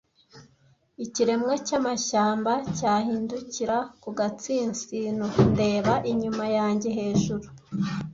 ikiremwa cyamashyamba, ndahindukira ku gatsinsino, ndeba inyuma yanjye hejuru